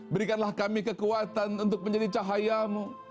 berikanlah kami kekuatan untuk menjadi cahayamu